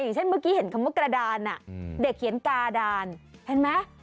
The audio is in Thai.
อย่างเช่นเมื่อกี้เห็นคำว่ากระดานเด็กเขียนกาดานเห็นไหม